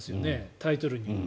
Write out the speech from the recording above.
タイトルに。